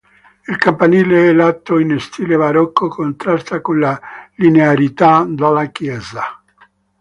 Il campanile a lato in stile barocco contrasta con la linearità della chiesa.